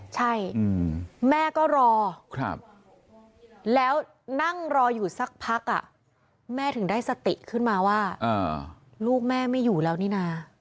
ใช่แม่ก็รอแล้วนั่งรออยู่สักพักแม่ถึงได้สติขึ้นมาว่าลูกแม่ไม่อยู่แล้วนี่นะ